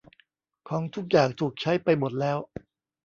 ของทุกอย่างถูกใช้ไปหมดแล้ว